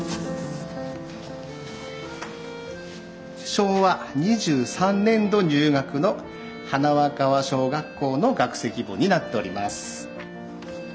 昭和２３年度入学の塙川小学校の学籍簿になっております。